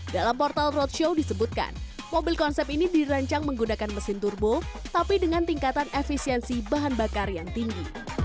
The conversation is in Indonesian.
dalam portal roadshow disebutkan mobil konsep ini dirancang menggunakan mesin turbo tapi dengan tingkatan efisiensi bahan bakar yang tinggi